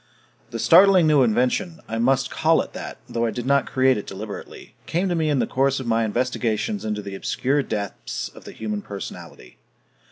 The startling new invention I must call it that, though I did not create it deliberately came to me in the course of my investigations into the obscure depths of the human personality.